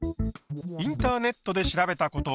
インターネットで調べたこと。